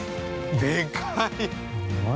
でかい！